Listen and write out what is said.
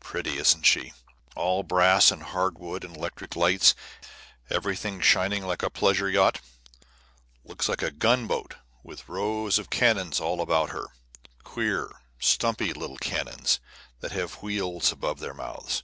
Pretty, isn't she? All brass and hard wood and electric lights, everything shining like a pleasure yacht. Looks like a gunboat with rows of cannon all around her queer, stumpy little cannon, that have wheels above their mouths.